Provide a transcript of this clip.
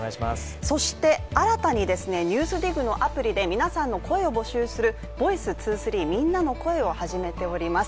そして新たに「ＮＥＷＳＤＩＧ」のアプリで皆さんの声を募集する「ｖｏｉｃｅ２３みんなの声」を始めております。